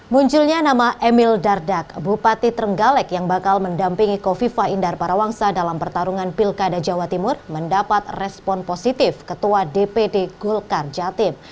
munculnya nama emil dardak bupati trenggalek yang bakal mendampingi kofifa indar parawangsa dalam pertarungan pilkada jawa timur mendapat respon positif ketua dpd golkar jatim